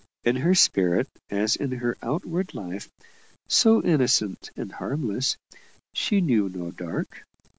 In her spirit, as in her outward life, so innocent and harmless, she knew no dark.